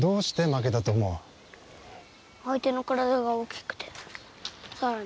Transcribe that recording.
相手の体が大きくて。